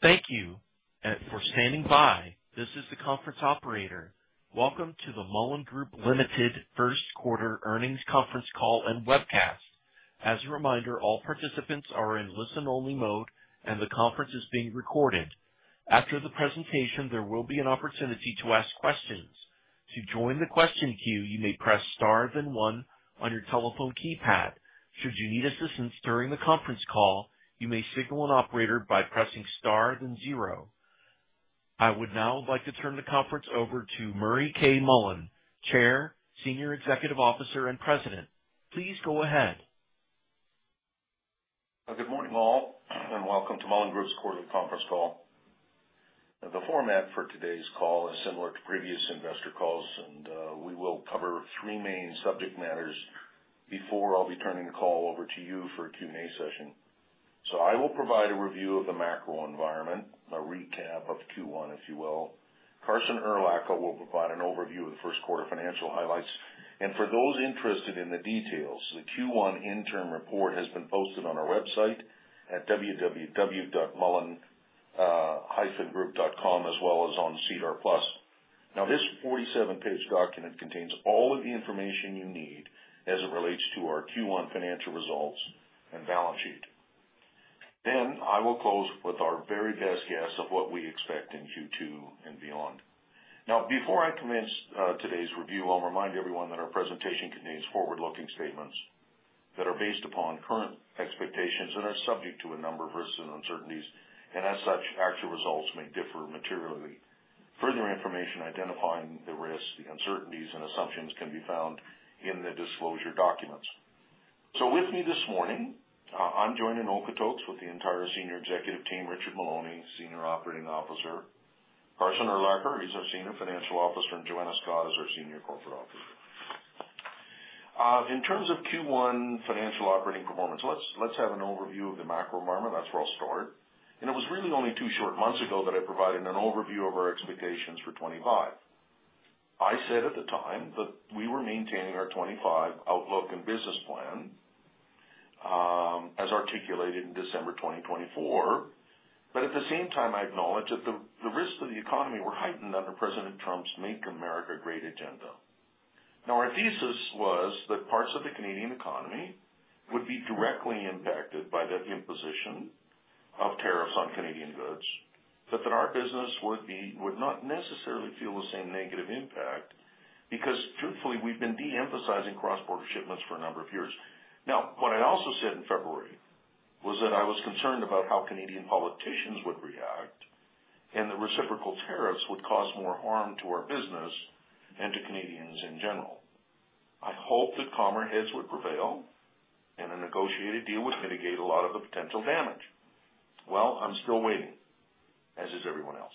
Thank you for standing by. This is the conference operator. Welcome to the Mullen Group Limited first quarter earnings conference call and webcast. As a reminder, all participants are in listen-only mode, and the conference is being recorded. After the presentation, there will be an opportunity to ask questions. To join the question queue, you may press star then one on your telephone keypad. Should you need assistance during the conference call, you may signal an operator by pressing star then zero. I would now like to turn the conference over to Murray K. Mullen, Chair, Senior Executive Officer, and President. Please go ahead. Good morning, all, and welcome to Mullen Group's quarterly conference call. The format for today's call is similar to previous investor calls, and we will cover three main subject matters before I'll be turning the call over to you for a Q&A session. I will provide a review of the macro environment, a recap of Q1, if you will. Carson Urlacher will provide an overview of the first quarter financial highlights. For those interested in the details, the Q1 interim report has been posted on our website at www.mullen-group.com, as well as on SEDAR+. This 47-page document contains all of the information you need as it relates to our Q1 financial results and balance sheet. I will close with our very best guess of what we expect in Q2 and beyond. Now, before I commence today's review, I'll remind everyone that our presentation contains forward-looking statements that are based upon current expectations and are subject to a number of risks and uncertainties. As such, actual results may differ materially. Further information identifying the risks, the uncertainties, and assumptions can be found in the disclosure documents. With me this morning, I'm joined in Okotoks with the entire senior executive team, Richard Maloney, Senior Operating Officer. Carson Urlacher is our Senior Financial Officer, and Joanna Scott is our Senior Corporate Officer. In terms of Q1 financial operating performance, let's have an overview of the macro environment. That's where I'll start. It was really only two short months ago that I provided an overview of our expectations for 2025. I said at the time that we were maintaining our 2025 outlook and business plan as articulated in December 2024. At the same time, I acknowledge that the risks to the economy were heightened under President Trump's Make America Great Agenda. Now, our thesis was that parts of the Canadian economy would be directly impacted by the imposition of tariffs on Canadian goods, but that our business would not necessarily feel the same negative impact because, truthfully, we've been de-emphasizing cross-border shipments for a number of years. What I also said in February was that I was concerned about how Canadian politicians would react and the reciprocal tariffs would cause more harm to our business and to Canadians in general. I hope that commerce heads would prevail, and a negotiated deal would mitigate a lot of the potential damage. I'm still waiting, as is everyone else.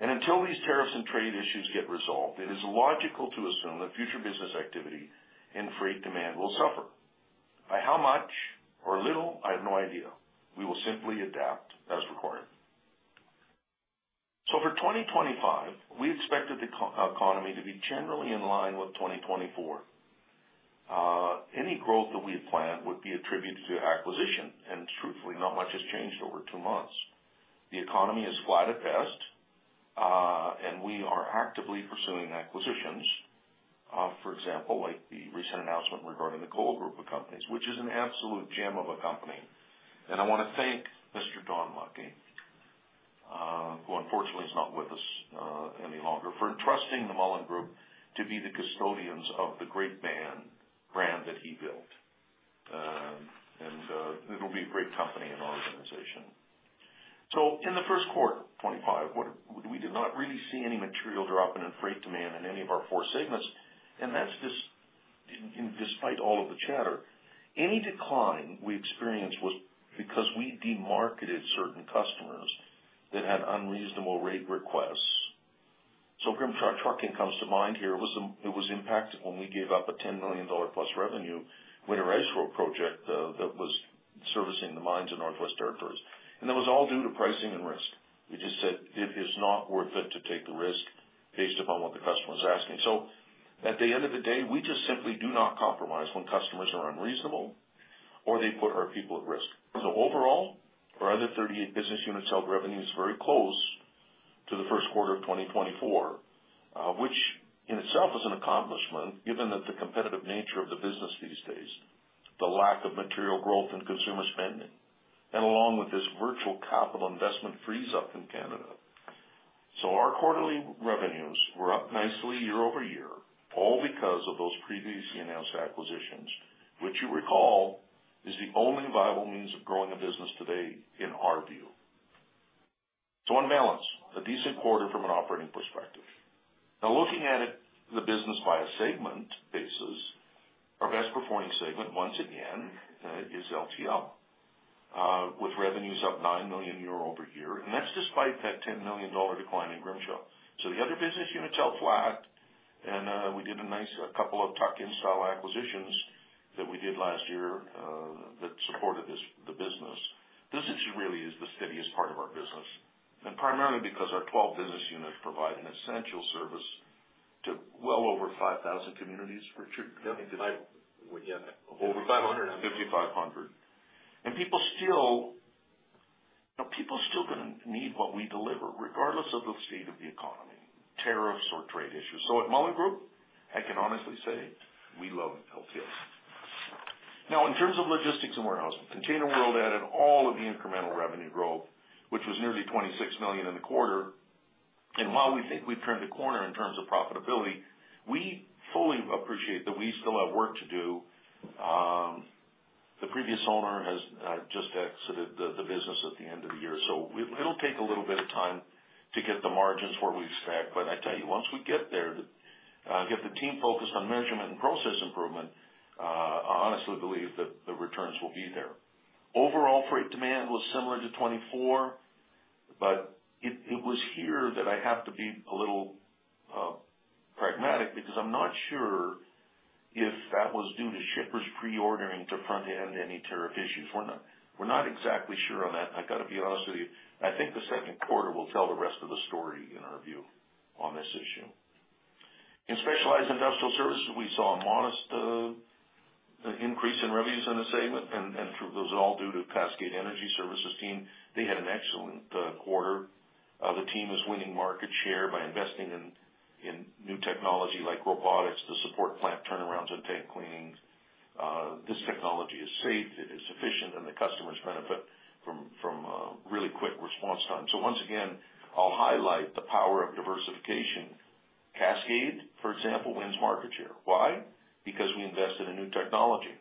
Until these tariffs and trade issues get resolved, it is logical to assume that future business activity and freight demand will suffer. By how much or little, I have no idea. We will simply adapt as required. For 2025, we expected the economy to be generally in line with 2024. Any growth that we had planned would be attributed to acquisition, and truthfully, not much has changed over two months. The economy is flat at best, and we are actively pursuing acquisitions. For example, like the recent announcement regarding the Cole Group of Companies, which is an absolute gem of a company. I want to thank Mr. Don Lucky, who unfortunately is not with us any longer, for entrusting the Mullen Group to be the custodians of the great brand that he built. It will be a great company and organization. In the first quarter of 2025, we did not really see any material drop in freight demand in any of our four segments. That is despite all of the chatter. Any decline we experienced was because we demarketed certain customers that had unreasonable rate requests. Grimshaw Trucking comes to mind here. It was impacted when we gave up a 10 million dollar-plus revenue winter ice road project that was servicing the mines in Northwest Territories. That was all due to pricing and risk. We just said, "It is not worth it to take the risk based upon what the customer is asking." At the end of the day, we just simply do not compromise when customers are unreasonable or they put our people at risk. Overall, our other 38 business units held revenues very close to the first quarter of 2024, which in itself is an accomplishment given the competitive nature of the business these days, the lack of material growth in consumer spending, and along with this virtual capital investment freeze-up in Canada. Our quarterly revenues were up nicely year over year, all because of those previously announced acquisitions, which you recall is the only viable means of growing a business today in our view. On balance, a decent quarter from an operating perspective. Now, looking at the business by a segment basis, our best-performing segment once again is LTL, with revenues up 9 million year over year. That's despite that 10 million dollar decline in Grimshaw. The other business units held flat, and we did a nice couple of tuck-in style acquisitions that we did last year that supported the business. This really is the steadiest part of our business, and primarily because our 12 business units provide an essential service to well over 5,000 communities. Richard. I think. Yeah. Over 500. 5,500. People still going to need what we deliver regardless of the state of the economy, tariffs or trade issues. At Mullen Group, I can honestly say we love LTL. In terms of logistics and warehousing, Container World added all of the incremental revenue growth, which was nearly 26 million in the quarter. While we think we've turned the corner in terms of profitability, we fully appreciate that we still have work to do. The previous owner has just exited the business at the end of the year. It'll take a little bit of time to get the margins where we expect. I tell you, once we get there, get the team focused on measurement and process improvement, I honestly believe that the returns will be there. Overall, freight demand was similar to 2024, but it was here that I have to be a little pragmatic because I'm not sure if that was due to shippers pre-ordering to front-end any tariff issues. We're not exactly sure on that. I got to be honest with you. I think the second quarter will tell the rest of the story in our view on this issue. In Specialized Industrial Services, we saw a modest increase in revenues in the segment, and those are all due to Cascade Energy Services team. They had an excellent quarter. The team is winning market share by investing in new technology like robotics to support plant turnarounds and tank cleaning. This technology is safe. It is efficient, and the customers benefit from really quick response time. Once again, I'll highlight the power of diversification. Cascade, for example, wins market share. Why? Because we invest in a new technology.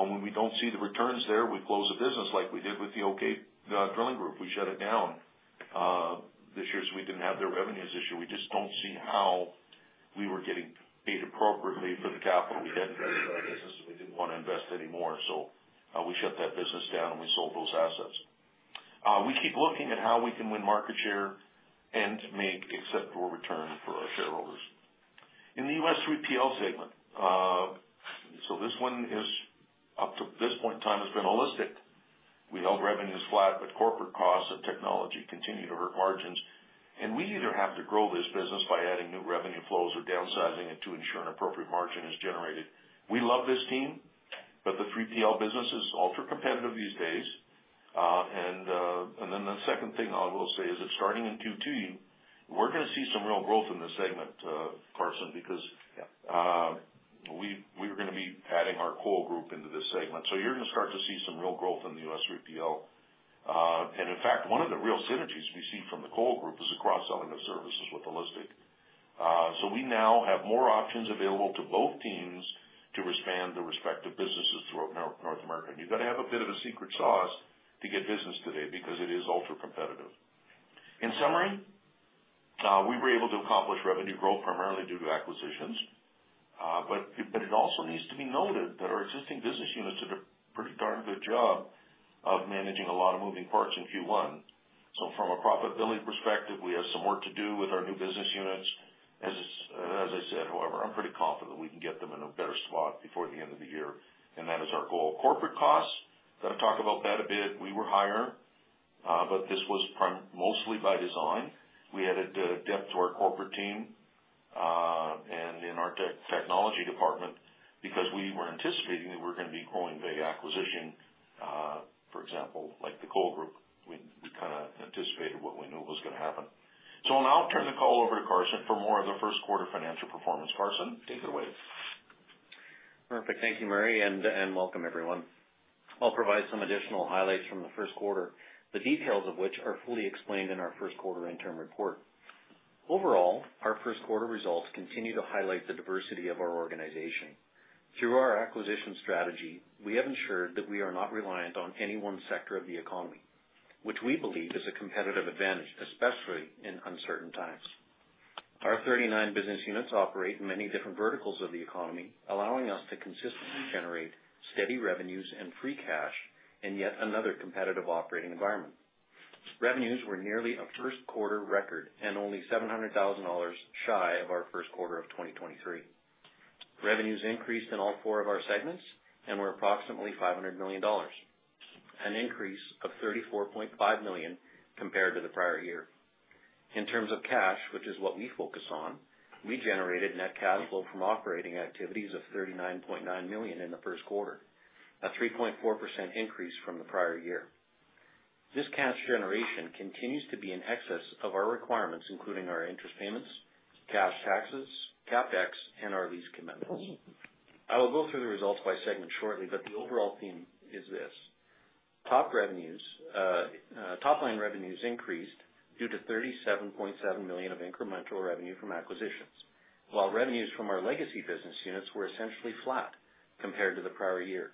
When we do not see the returns there, we close a business like we did with the OK Drilling Group. We shut it down this year, so we did not have their revenues this year. We just do not see how we were getting paid appropriately for the capital. We had not really done business, and we did not want to invest anymore. We shut that business down, and we sold those assets. We keep looking at how we can win market share and make acceptable returns for our shareholders. In the US 3PL segment, this one up to this point in time has been HauListic. We held revenues flat, but corporate costs and technology continue to hurt margins. We either have to grow this business by adding new revenue flows or downsize it to ensure an appropriate margin is generated. We love this team, but the 3PL business is ultra-competitive these days. The second thing I will say is that starting in Q2, we're going to see some real growth in this segment, Carson, because we were going to be adding our Cole Group into this segment. You're going to start to see some real growth in the US 3PL. In fact, one of the real synergies we see from the Cole Group is the cross-selling of services with the Holistic. We now have more options available to both teams to expand the respective businesses throughout North America. You've got to have a bit of a secret sauce to get business today because it is ultra-competitive. In summary, we were able to accomplish revenue growth primarily due to acquisitions, but it also needs to be noted that our existing business units did a pretty darn good job of managing a lot of moving parts in Q1. From a profitability perspective, we have some work to do with our new business units. As I said, however, I'm pretty confident we can get them in a better spot before the end of the year, and that is our goal. Corporate costs, got to talk about that a bit. We were higher, but this was mostly by design. We added depth to our corporate team and in our technology department because we were anticipating that we were going to be growing via acquisition, for example, like the Cole Group. We kind of anticipated what we knew was going to happen. Now I'll turn the call over to Carson for more of the first quarter financial performance. Carson, take it away. Perfect. Thank you, Murray, and welcome, everyone. I'll provide some additional highlights from the first quarter, the details of which are fully explained in our first quarter interim report. Overall, our first quarter results continue to highlight the diversity of our organization. Through our acquisition strategy, we have ensured that we are not reliant on any one sector of the economy, which we believe is a competitive advantage, especially in uncertain times. Our 39 business units operate in many different verticals of the economy, allowing us to consistently generate steady revenues and free cash in yet another competitive operating environment. Revenues were nearly a first-quarter record and only 700,000 dollars shy of our first quarter of 2023. Revenues increased in all four of our segments and were approximately 500 million dollars, an increase of 34.5 million compared to the prior year. In terms of cash, which is what we focus on, we generated net cash flow from operating activities of 39.9 million in the first quarter, a 3.4% increase from the prior year. This cash generation continues to be in excess of our requirements, including our interest payments, cash taxes, CapEx, and our lease commitments. I will go through the results by segment shortly, but the overall theme is this: top line revenues increased due to 37.7 million of incremental revenue from acquisitions, while revenues from our legacy business units were essentially flat compared to the prior year.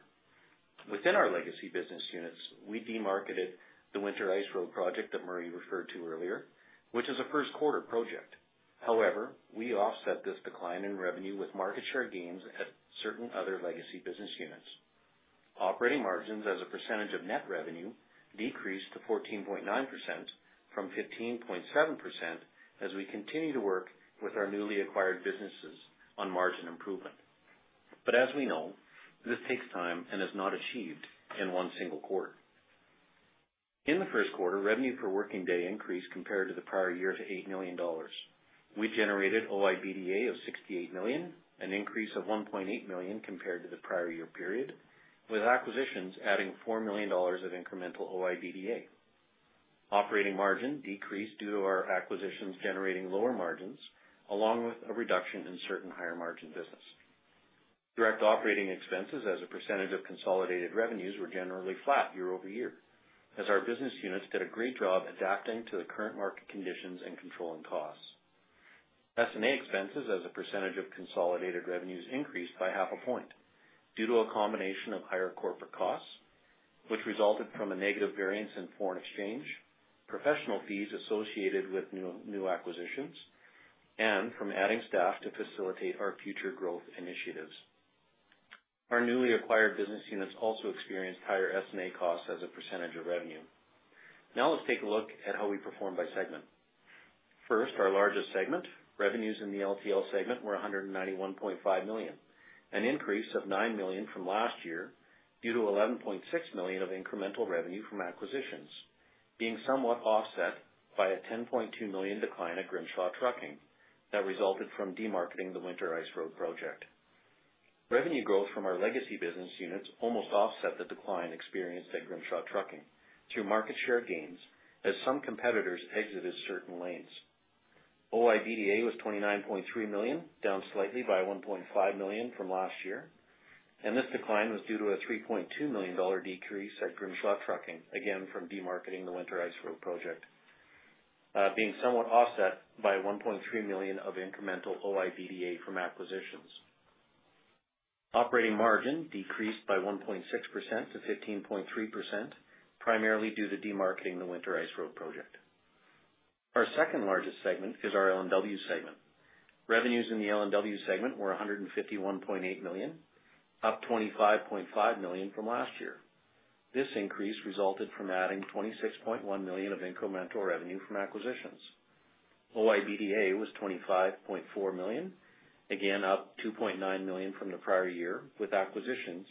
Within our legacy business units, we demarketed the winter ice road project that Murray referred to earlier, which is a first-quarter project. However, we offset this decline in revenue with market share gains at certain other legacy business units. Operating margins as a percentage of net revenue decreased to 14.9% from 15.7% as we continue to work with our newly acquired businesses on margin improvement. As we know, this takes time and is not achieved in one single quarter. In the first quarter, revenue per working day increased compared to the prior year to 8 million dollars. We generated OIBDA of 68 million, an increase of 1.8 million compared to the prior year period, with acquisitions adding 4 million dollars of incremental OIBDA. Operating margin decreased due to our acquisitions generating lower margins, along with a reduction in certain higher margin business. Direct operating expenses as a percentage of consolidated revenues were generally flat year over year, as our business units did a great job adapting to the current market conditions and controlling costs. S&A expenses as a percentage of consolidated revenues increased by half a point due to a combination of higher corporate costs, which resulted from a negative variance in foreign exchange, professional fees associated with new acquisitions, and from adding staff to facilitate our future growth initiatives. Our newly acquired business units also experienced higher S&A costs as a percentage of revenue. Now let's take a look at how we performed by segment. First, our largest segment, revenues in the LTL segment, were 191.5 million, an increase of 9 million from last year due to 11.6 million of incremental revenue from acquisitions, being somewhat offset by a 10.2 million decline at Grimshaw Trucking that resulted from demarketing the winter ice road project. Revenue growth from our legacy business units almost offset the decline experienced at Grimshaw Trucking through market share gains as some competitors exited certain lanes. OIBDA was 29.3 million, down slightly by 1.5 million from last year. This decline was due to a 3.2 million dollar decrease at Grimshaw Trucking, again from demarketing the winter ice road project, being somewhat offset by 1.3 million of incremental OIBDA from acquisitions. Operating margin decreased by 1.6% to 15.3%, primarily due to demarketing the winter ice road project. Our second largest segment is our L&W segment. Revenues in the L&W segment were 151.8 million, up 25.5 million from last year. This increase resulted from adding 26.1 million of incremental revenue from acquisitions. OIBDA was 25.4 million, again up 2.9 million from the prior year, with acquisitions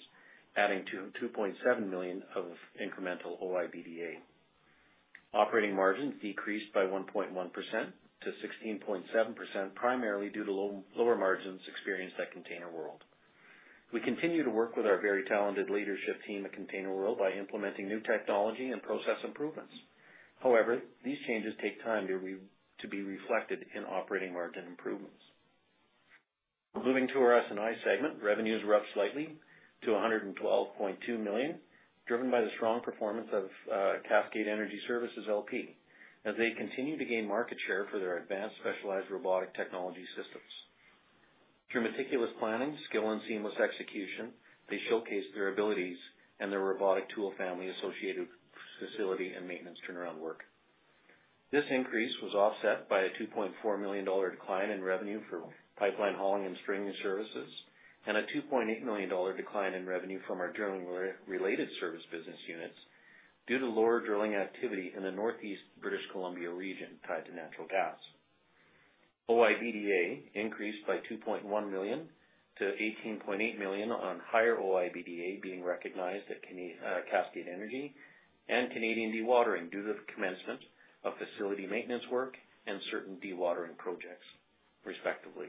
adding 2.7 million of incremental OIBDA. Operating margins decreased by 1.1% to 16.7%, primarily due to lower margins experienced at Container World. We continue to work with our very talented leadership team at Container World by implementing new technology and process improvements. However, these changes take time to be reflected in operating margin improvements. Moving to our S&I segment, revenues were up slightly to 112.2 million, driven by the strong performance of Cascade Energy Services LP, as they continue to gain market share for their advanced specialized robotic technology systems. Through meticulous planning, skill, and seamless execution, they showcased their abilities and their robotic tool family associated with facility and maintenance turnaround work. This increase was offset by a 2.4 million dollar decline in revenue for pipeline hauling and stringing services and a 2.8 million dollar decline in revenue from our drilling-related service business units due to lower drilling activity in the Northeast British Columbia region tied to natural gas. OIBDA increased by 2.1 million to 18.8 million on higher OIBDA being recognized at Cascade Energy and Canadian dewatering due to the commencement of facility maintenance work and certain dewatering projects, respectively.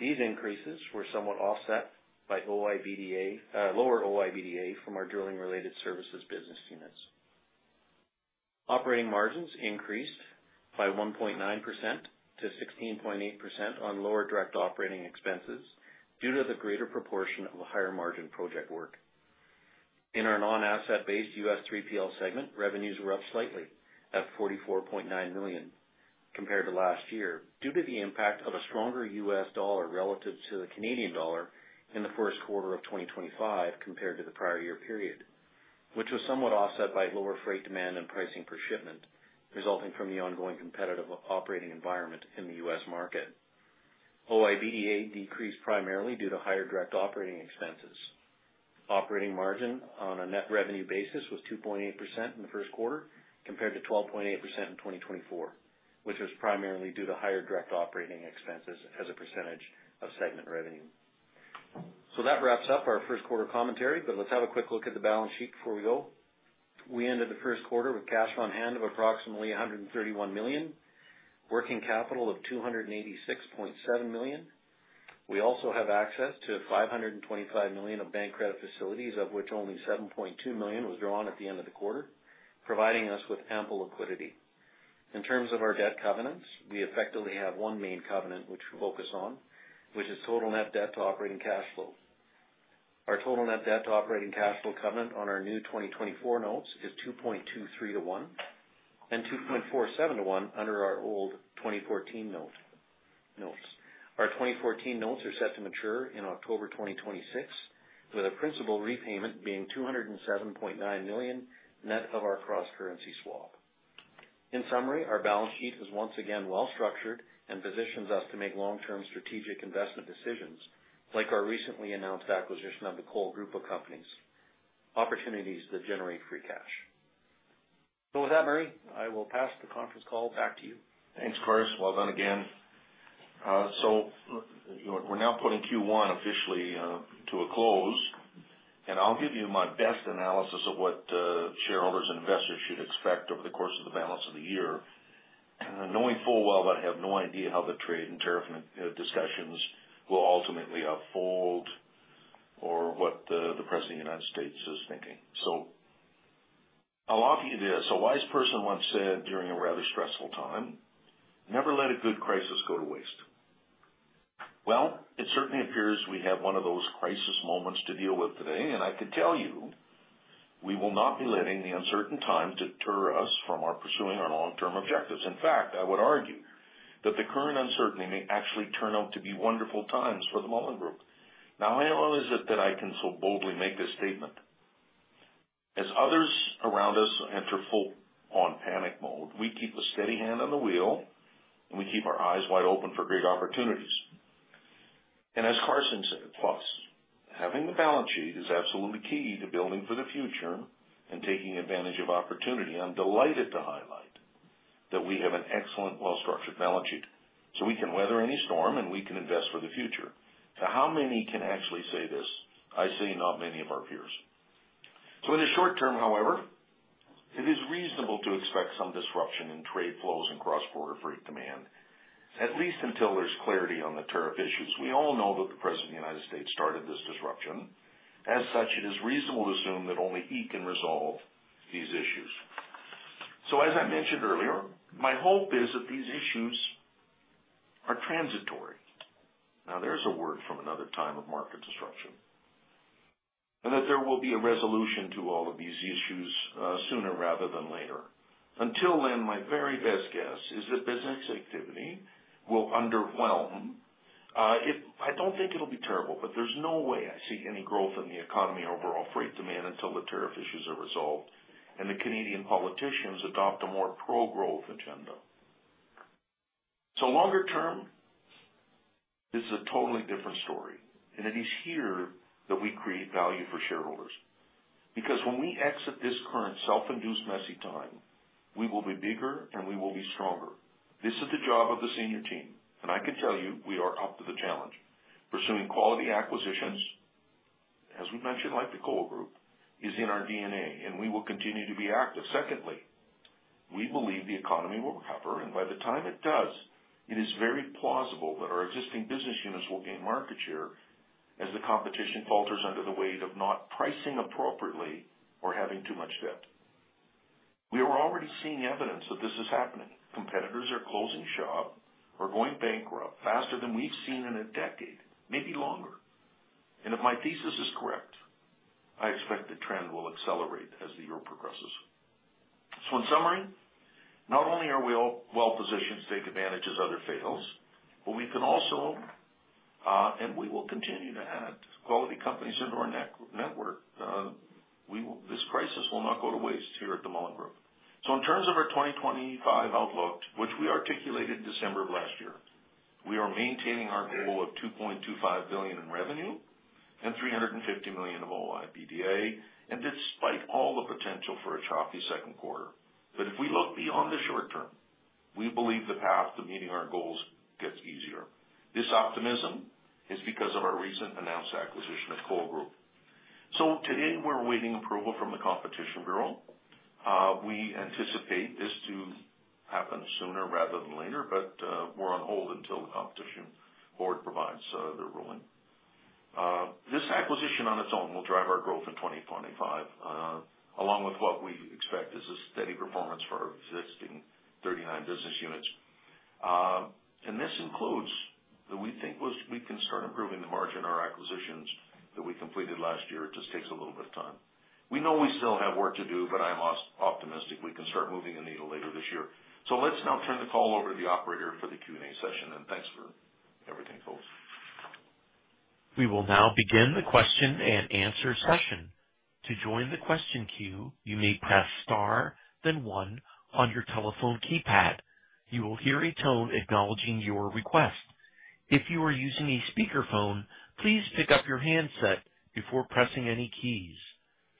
These increases were somewhat offset by lower OIBDA from our drilling-related services business units. Operating margins increased by 1.9% to 16.8% on lower direct operating expenses due to the greater proportion of higher margin project work. In our non-asset-based US 3PL segment, revenues were up slightly at $44.9 million compared to last year due to the impact of a stronger US dollar relative to the Canadian dollar in the first quarter of 2025 compared to the prior year period, which was somewhat offset by lower freight demand and pricing per shipment resulting from the ongoing competitive operating environment in the US market. OIBDA decreased primarily due to higher direct operating expenses. Operating margin on a net revenue basis was 2.8% in the first quarter compared to 12.8% in 2024, which was primarily due to higher direct operating expenses as a percentage of segment revenue. That wraps up our first quarter commentary, but let's have a quick look at the balance sheet before we go. We ended the first quarter with cash on hand of approximately 131 million, working capital of 286.7 million. We also have access to 525 million of bank credit facilities, of which only 7.2 million was drawn at the end of the quarter, providing us with ample liquidity. In terms of our debt covenants, we effectively have one main covenant which we focus on, which is total net debt to operating cash flow. Our total net debt to operating cash flow covenant on our new 2024 notes is 2.23 to 1 and 2.47 to 1 under our old 2014 notes. Our 2014 notes are set to mature in October 2026, with a principal repayment being 207.9 million net of our cross-currency swap. In summary, our balance sheet is once again well-structured and positions us to make long-term strategic investment decisions like our recently announced acquisition of the Cole Group of Companies, opportunities that generate free cash. Murray, I will pass the conference call back to you. Thanks, Carson. Well done again. We are now putting Q1 officially to a close, and I'll give you my best analysis of what shareholders and investors should expect over the course of the balance of the year. Knowing full well, I have no idea how the trade and tariff discussions will ultimately unfold or what the President of the United States is thinking. I'll offer you this. A wise person once said during a rather stressful time, "Never let a good crisis go to waste." It certainly appears we have one of those crisis moments to deal with today, and I can tell you we will not be letting the uncertain times deter us from pursuing our long-term objectives. In fact, I would argue that the current uncertainty may actually turn out to be wonderful times for the Mullen Group. Now, how is it that I can so boldly make this statement? As others around us enter full-on panic mode, we keep a steady hand on the wheel, and we keep our eyes wide open for great opportunities. As Carson said, plus, having the balance sheet is absolutely key to building for the future and taking advantage of opportunity. I'm delighted to highlight that we have an excellent, well-structured balance sheet so we can weather any storm, and we can invest for the future. How many can actually say this? I say not many of our peers. In the short term, however, it is reasonable to expect some disruption in trade flows and cross-border freight demand, at least until there's clarity on the tariff issues. We all know that the President of the United States started this disruption. As such, it is reasonable to assume that only he can resolve these issues. As I mentioned earlier, my hope is that these issues are transitory. Now, there is a word from another time of market disruption, and that there will be a resolution to all of these issues sooner rather than later. Until then, my very best guess is that business activity will underwhelm. I do not think it will be terrible, but there is no way I see any growth in the economy overall freight demand until the tariff issues are resolved and the Canadian politicians adopt a more pro-growth agenda. Longer term is a totally different story, and it is here that we create value for shareholders. Because when we exit this current self-induced messy time, we will be bigger, and we will be stronger. This is the job of the senior team, and I can tell you we are up to the challenge. Pursuing quality acquisitions, as we mentioned, like the Cole Group, is in our DNA, and we will continue to be active. Secondly, we believe the economy will recover, and by the time it does, it is very plausible that our existing business units will gain market share as the competition falters under the weight of not pricing appropriately or having too much debt. We are already seeing evidence that this is happening. Competitors are closing shop or going bankrupt faster than we've seen in a decade, maybe longer. If my thesis is correct, I expect the trend will accelerate as the year progresses. In summary, not only are we all well-positioned to take advantage as others fail, but we can also, and we will continue to add quality companies into our network. This crisis will not go to waste here at the Mullen Group. In terms of our 2025 outlook, which we articulated in December of last year, we are maintaining our goal of 2.25 billion in revenue and 350 million of OIBDA, and despite all the potential for a choppy second quarter, if we look beyond the short term, we believe the path to meeting our goals gets easier. This optimism is because of our recent announced acquisition of Cole Group. Today, we're awaiting approval from the Competition Bureau. We anticipate this to happen sooner rather than later, but we're on hold until the Competition Bureau provides their ruling. This acquisition on its own will drive our growth in 2025, along with what we expect is a steady performance for our existing 39 business units. This includes that we think we can start improving the margin of our acquisitions that we completed last year. It just takes a little bit of time. We know we still have work to do, but I'm optimistic we can start moving the needle later this year. Let's now turn the call over to the operator for the Q&A session, and thanks for everything, folks. We will now begin the question and answer session. To join the question queue, you may press star, then one on your telephone keypad. You will hear a tone acknowledging your request. If you are using a speakerphone, please pick up your handset before pressing any keys.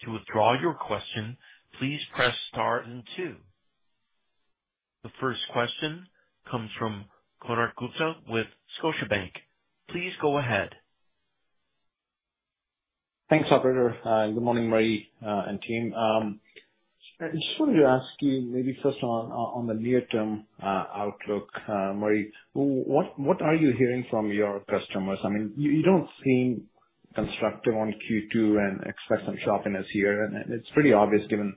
To withdraw your question, please press star and two. The first question comes from Konark Gupta with Scotiabank. Please go ahead. Thanks, Operator. Good morning, Murray and team. I just wanted to ask you, maybe first on the near-term outlook, Murray, what are you hearing from your customers? I mean, you do not seem constructive on Q2 and expect some sharpness here, and it is pretty obvious given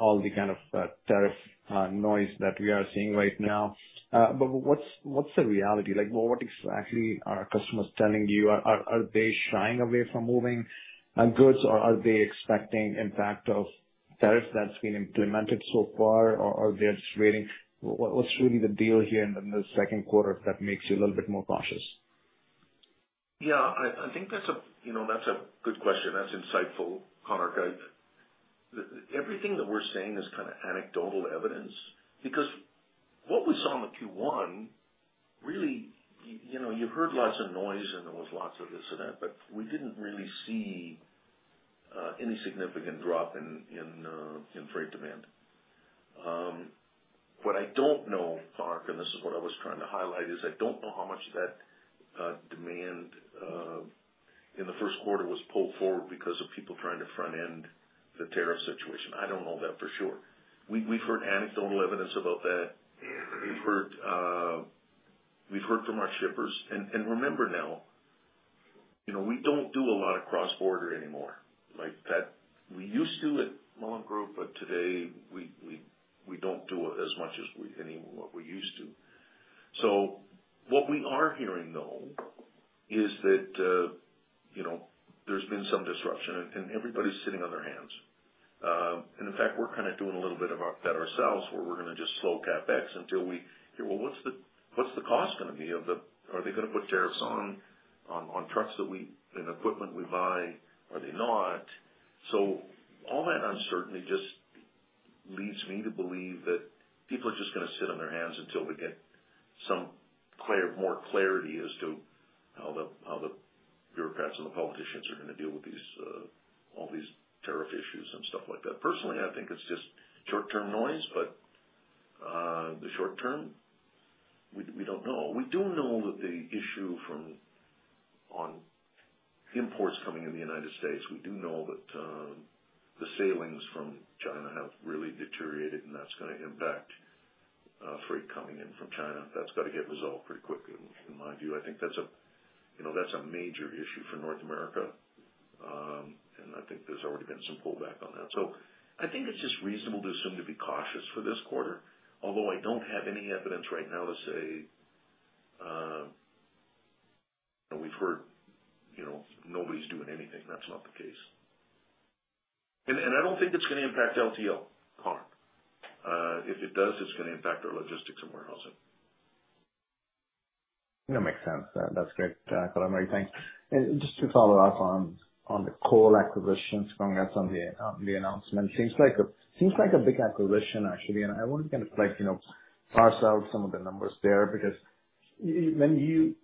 all the kind of tariff noise that we are seeing right now. What is the reality? What exactly are customers telling you? Are they shying away from moving goods, or are they expecting the impact of tariffs that has been implemented so far, or are they just waiting? What is really the deal here in the second quarter that makes you a little bit more cautious? Yeah, I think that's a good question. That's insightful, Conor. Everything that we're seeing is kind of anecdotal evidence because what we saw in Q1, really, you heard lots of noise, and there was lots of this and that, but we didn't really see any significant drop in freight demand. What I don't know, Mark, and this is what I was trying to highlight, is I don't know how much of that demand in the first quarter was pulled forward because of people trying to front-end the tariff situation. I don't know that for sure. We've heard anecdotal evidence about that. We've heard from our shippers. Remember now, we don't do a lot of cross-border anymore. We used to at Mullen Group, but today, we don't do as much as we used to. What we are hearing, though, is that there's been some disruption, and everybody's sitting on their hands. In fact, we're kind of doing a little bit of that ourselves, where we're going to just slow CapEx until we hear, "Well, what's the cost going to be? Are they going to put tariffs on trucks and equipment we buy? Are they not?" All that uncertainty just leads me to believe that people are just going to sit on their hands until we get some more clarity as to how the bureaucrats and the politicians are going to deal with all these tariff issues and stuff like that. Personally, I think it's just short-term noise, but the short term, we don't know. We do know that the issue from imports coming in the United States, we do know that the sailings from China have really deteriorated, and that's going to impact freight coming in from China. That's got to get resolved pretty quickly, in my view. I think that's a major issue for North America, and I think there's already been some pullback on that. I think it's just reasonable to assume to be cautious for this quarter, although I don't have any evidence right now to say we've heard nobody's doing anything. That's not the case. I don't think it's going to impact LTL, Conor. If it does, it's going to impact our logistics and warehousing. That makes sense. That's great, columnary, thanks. Just to follow up on the Cole Group acquisitions, Congress, on the announcement, seems like a big acquisition, actually. I want to kind of parse out some of the numbers there because when you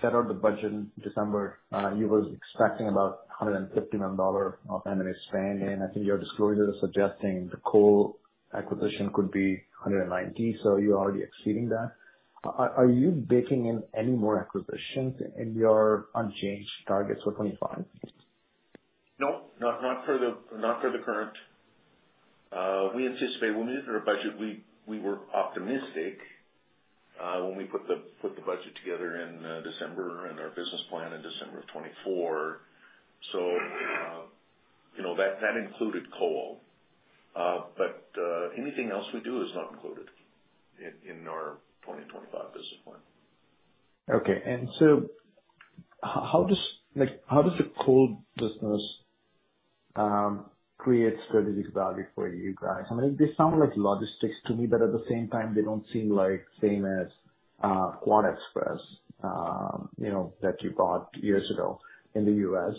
set out the budget in December, you were expecting about 150 million dollar of M&A spend, and I think your disclosure is suggesting the Cole Group acquisition could be 190 million, so you're already exceeding that. Are you baking in any more acquisitions in your unchanged targets for 2025? No, not for the current. We anticipate when we did our budget, we were optimistic when we put the budget together in December and our business plan in December of 2024. That included Cole, but anything else we do is not included in our 2025 business plan. Okay. And how does the Cole Group business create strategic value for you guys? I mean, they sound like logistics to me, but at the same time, they do not seem like same as QuadExpress that you bought years ago in the US.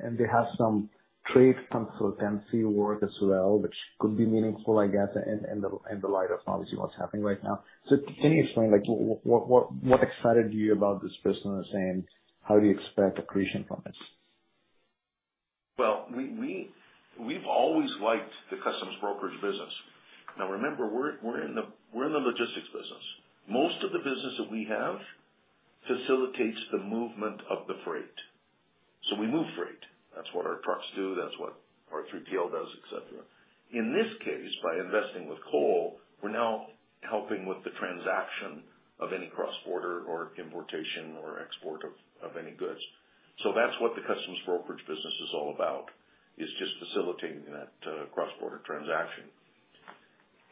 And they have some trade consultancy work as well, which could be meaningful, I guess, in the light of obviously what is happening right now. Can you explain what excited you about this business and how you expect accretion from it? We've always liked the customs brokerage business. Now, remember, we're in the logistics business. Most of the business that we have facilitates the movement of the freight. We move freight. That's what our trucks do. That's what our 3PL does, etc. In this case, by investing with Cole, we're now helping with the transaction of any cross-border or importation or export of any goods. That's what the customs brokerage business is all about, just facilitating that cross-border transaction.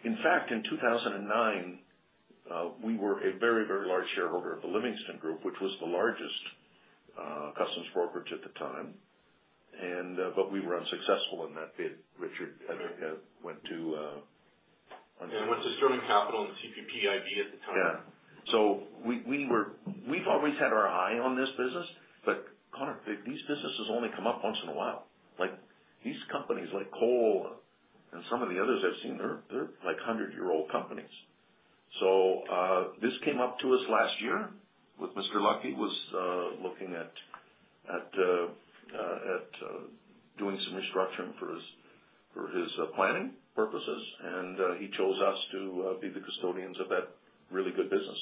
In fact, in 2009, we were a very, very large shareholder of the Livingston Group, which was the largest customs brokerage at the time, but we were unsuccessful in that bid. Richard went to. Went to Sterling Capital and CPPIB at the time. Yeah. We've always had our eye on this business, but Conor, these businesses only come up once in a while. These companies like Cole and some of the others I've seen, they're like 100-year-old companies. This came up to us last year with Mr. Luckey. He was looking at doing some restructuring for his planning purposes, and he chose us to be the custodians of that really good business.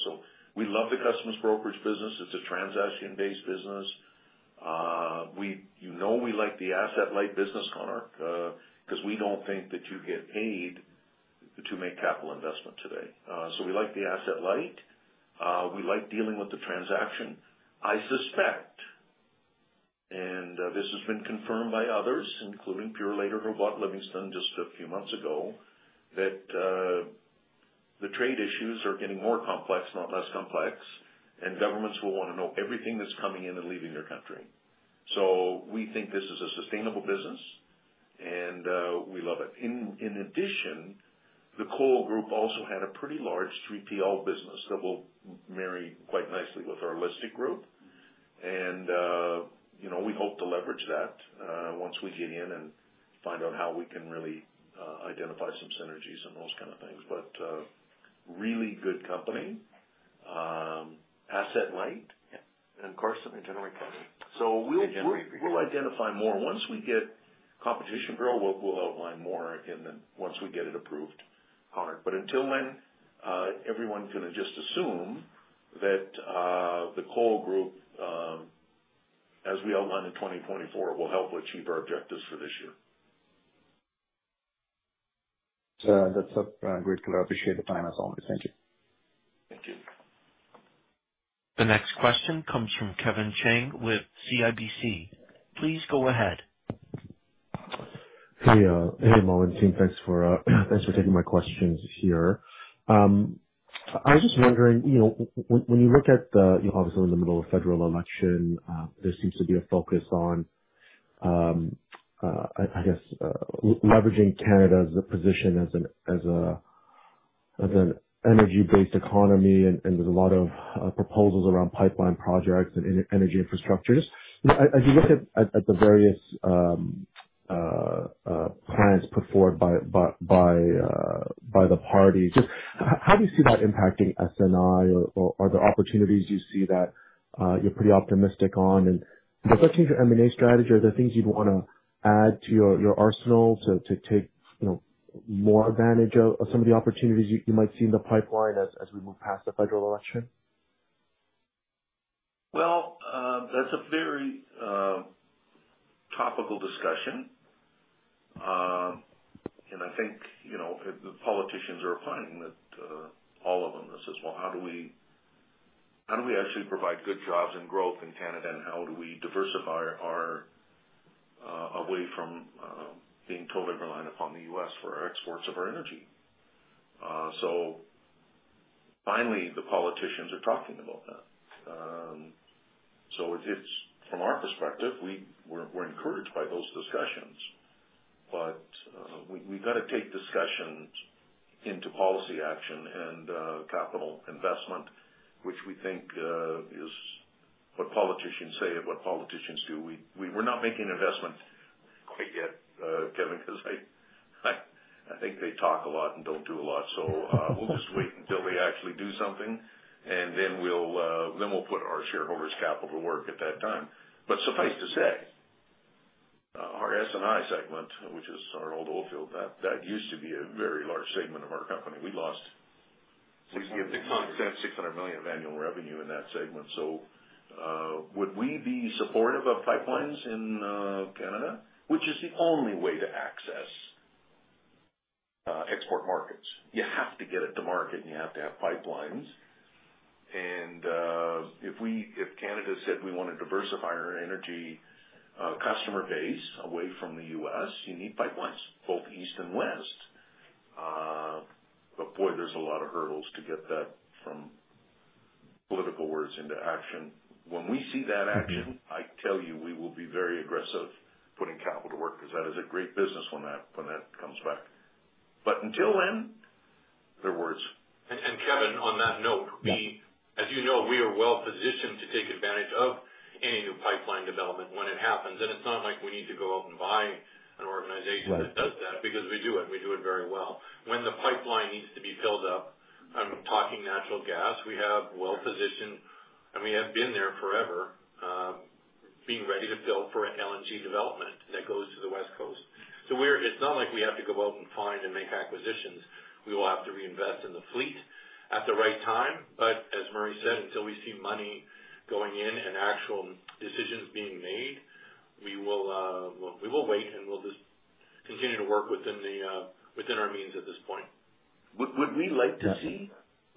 We love the customs brokerage business. It's a transaction-based business. You know we like the asset-light business, Conor, because we don't think that you get paid to make capital investment today. We like the asset-light. We like dealing with the transaction. I suspect, and this has been confirmed by others, including Purolator who bought Livingston just a few months ago, that the trade issues are getting more complex, not less complex, and governments will want to know everything that's coming in and leaving their country. We think this is a sustainable business, and we love it. In addition, the Cole Group also had a pretty large 3PL business that will marry quite nicely with our Holistic Group, and we hope to leverage that once we get in and find out how we can really identify some synergies and those kind of things. Really good company, asset-light. Carson and [general accounting]. We'll identify more. We'll identify more. Once we get competition for it, we'll outline more once we get it approved, Conor. Until then, everyone can just assume that the Cole Group, as we outline in 2024, will help achieve our objectives for this year. That's great. I appreciate the time, as always. Thank you. Thank you. The next question comes from Kevin Chiang with CIBC. Please go ahead. Hey, Mullen. Thanks for taking my questions here. I was just wondering, when you look at the, obviously, in the middle of a federal election, there seems to be a focus on, I guess, leveraging Canada's position as an energy-based economy, and there's a lot of proposals around pipeline projects and energy infrastructures. As you look at the various plans put forward by the parties, how do you see that impacting S&I, or are there opportunities you see that you're pretty optimistic on? Does that change your M&A strategy, or are there things you'd want to add to your arsenal to take more advantage of some of the opportunities you might see in the pipeline as we move past the federal election? That is a very topical discussion, and I think the politicians are opining that all of them. This is, "Well, how do we actually provide good jobs and growth in Canada, and how do we diversify our away from being totally reliant upon the US for our exports of our energy?" Finally, the politicians are talking about that. From our perspective, we are encouraged by those discussions, but we have to take discussions into policy action and capital investment, which we think is what politicians say and what politicians do. We are not making investment quite yet, Kevin, because I think they talk a lot and do not do a lot. We will just wait until they actually do something, and then we will put our shareholders' capital to work at that time. Suffice to say, our S&I segment, which is our old oil field, that used to be a very large segment of our company. We lost 600 million of annual revenue in that segment. Would we be supportive of pipelines in Canada, which is the only way to access export markets? You have to get it to market, and you have to have pipelines. If Canada said we want to diversify our energy customer base away from the US, you need pipelines, both east and west. There is a lot of hurdles to get that from political words into action. When we see that action, I tell you, we will be very aggressive putting capital to work because that is a great business when that comes back. Until then, there were words. Kevin, on that note, as you know, we are well-positioned to take advantage of any new pipeline development when it happens. It is not like we need to go out and buy an organization that does that because we do it. We do it very well. When the pipeline needs to be filled up, I'm talking natural gas, we have well-positioned, and we have been there forever, being ready to fill for LNG development that goes to the West Coast. It is not like we have to go out and find and make acquisitions. We will have to reinvest in the fleet at the right time. As Murray said, until we see money going in and actual decisions being made, we will wait, and we'll just continue to work within our means at this point. Would we like to see?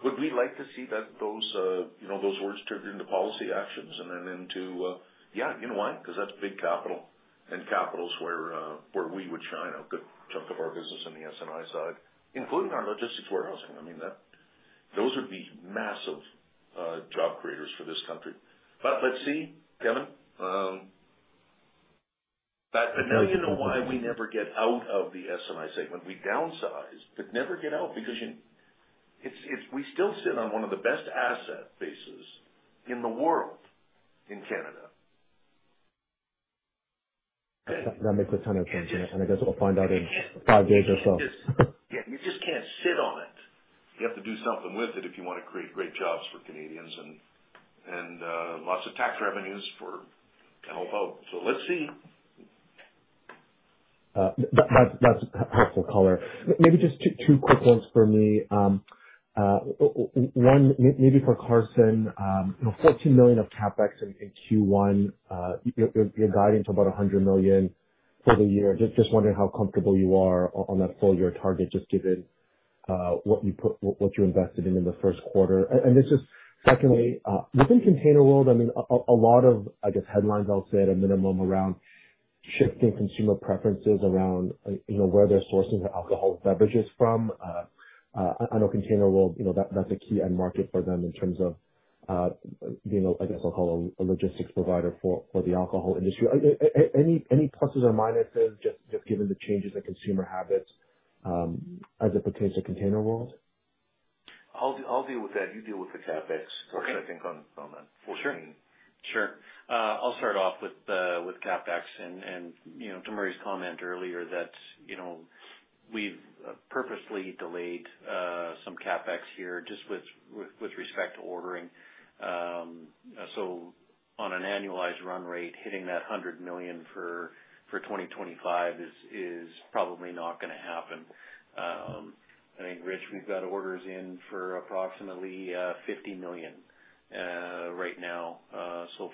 Would we like to see those words triggered into policy actions and then into, "Yeah, you know why? Because that's big capital, and capital is where we would shine a good chunk of our business in the S&I side, including our logistics warehousing." I mean, those would be massive job creators for this country. Let's see, Kevin. Now, you know why we never get out of the S&I segment? We downsize, but never get out because we still sit on one of the best asset bases in the world in Canada. That makes a ton of sense. I guess we'll find out in five days or so. Yeah. You just can't sit on it. You have to do something with it if you want to create great jobs for Canadians and lots of tax revenues for Canada. Let's see. That's helpful, Conor. Maybe just two quick ones for me. One, maybe for Carson, 14 million of CapEx in Q1, you're guiding to about 100 million for the year. Just wondering how comfortable you are on that full-year target, just given what you invested in the first quarter. Secondly, within Container World, I mean, a lot of, I guess, headlines outside a minimum around shifting consumer preferences around where they're sourcing their alcohol beverages from. I know Container World, that's a key end market for them in terms of being, I guess I'll call it a logistics provider for the alcohol industry. Any pluses or minuses, just given the changes in consumer habits as it pertains to Container World? I'll deal with that. You deal with the CapEx, Carson, I think, on that 14. Sure. I'll start off with CapEx and to Murray's comment earlier that we've purposely delayed some CapEx here just with respect to ordering. On an annualized run rate, hitting that 100 million for 2025 is probably not going to happen. I think, Rich, we've got orders in for approximately 50 million right now